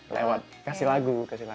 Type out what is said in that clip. lewat kasih lagu